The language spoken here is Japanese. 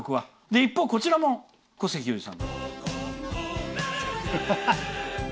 一方、こちらも古関裕而さん。